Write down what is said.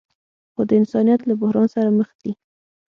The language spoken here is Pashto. خو د انسانیت له بحران سره مخ دي.